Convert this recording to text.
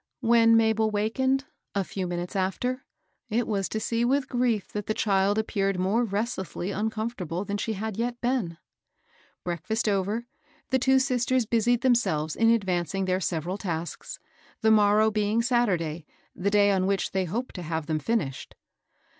When Mabel wakened, a few \" WOBK — WORK — WORK." 299 minutes after, it was to see with grief that the child appeared more restlessly micomfortable than she had yet been. ) Breakfast over, the two sisters busied themselves in advancing their several tasks, the morrow being Saturday, the day on which they hoped to have them finished.